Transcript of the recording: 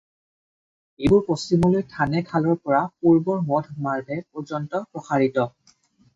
এইবোৰ পশ্চিমলৈ থানে খালৰ পৰা পূৰ্বলৈ মধ মাৰ্ভে পৰ্যন্ত প্ৰসাৰিত।